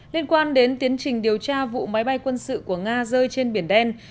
liên quan đến tiến trình điều tra vụ máy bay quân sự của nga rơi trên biển đen